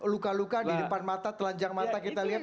luka luka di depan mata telanjang mata kita lihat